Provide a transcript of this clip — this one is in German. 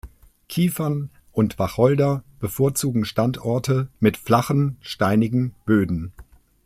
Kiefern und Wacholder bevorzugen Standorte mit flachen, steinigen Böden.